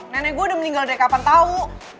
nenek gua udah meninggal dari kapan tau